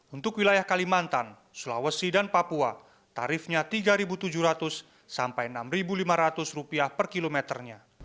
untuk wilayah kalimantan sulawesi dan papua tarifnya rp tiga tujuh ratus sampai rp enam lima ratus per kilometernya